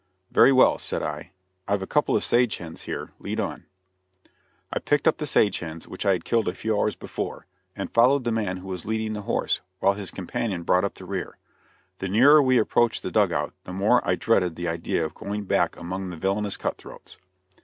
"Very well," said I, "I've got a couple of sage hens here. Lead on." I picked up the sage hens, which I had killed a few hours before, and followed the man who was leading the horse, while his companion brought up the rear. The nearer we approached the dug out the more I dreaded the idea of going back among the villainous cut throats.